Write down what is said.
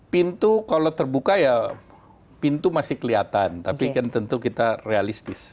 pintu kalau terbuka ya pintu masih kelihatan tapi kan tentu kita realistis